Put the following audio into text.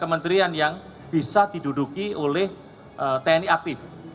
kementerian yang bisa diduduki oleh tni aktif